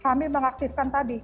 kami mengaktifkan tadi